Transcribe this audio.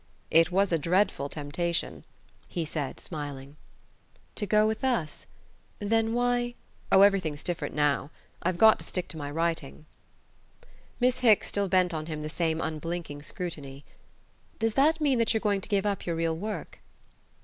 "It was a dreadful temptation," he said, smiling. "To go with us? Then why ?" "Oh, everything's different now: I've got to stick to my writing." Miss Hicks still bent on him the same unblinking scrutiny. "Does that mean that you're going to give up your real work?"